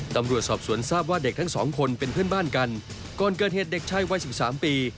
ตำรวจสอบสวนทราบว่าเด็กทั้งสองคนเป็นเพื่อนบ้านกันก่อนเกิดเหตุเด็กชายวัยสิบสามปี